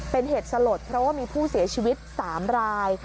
เป็นเหตุสลดเพราะว่ามีผู้เสียชีวิต๓ราย